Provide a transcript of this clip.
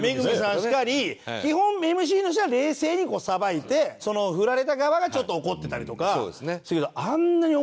然り基本ＭＣの人は冷静にこうさばいて振られた側がちょっと怒ってたりとかするけど。